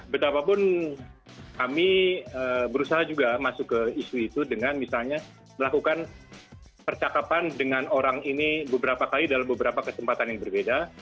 betapapun kami berusaha juga masuk ke isu itu dengan misalnya melakukan percakapan dengan orang ini beberapa kali dalam beberapa kesempatan yang berbeda